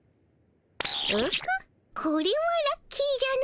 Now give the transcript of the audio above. オホッこれはラッキーじゃの。